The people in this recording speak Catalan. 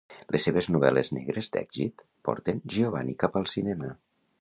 Les seves novel·les negres d'èxit porten Giovanni cap al cinema.